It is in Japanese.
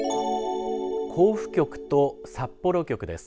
甲府局と札幌局です。